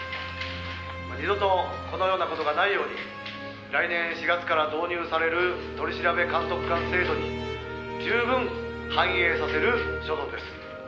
「二度とこのような事がないように来年４月から導入される取調監督官制度に十分反映させる所存です」